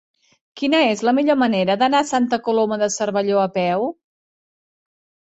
Quina és la millor manera d'anar a Santa Coloma de Cervelló a peu?